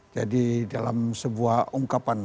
jadi dalam sebuah ungkapan